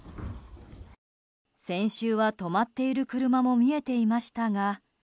先週は、止まっている車も見えていましたが。